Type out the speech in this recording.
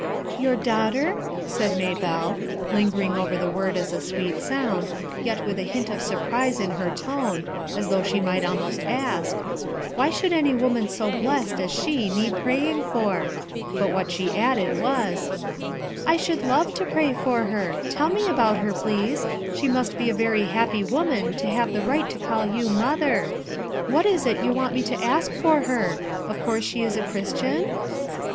"Your daughter?" said Maybelle, lingering over the word as a sweet sound, yet with a hint of surprise in her tone, as though she might almost ask, "Why should any woman so blessed as she need praying for ?" But what she added was :— AN ALLY m "I should love to pray for her. Tell »o about her, please. She must be a very happy Wornan to have the right to call you 'mother.' What is it you want me to ask for her? Of course she is a Christian?"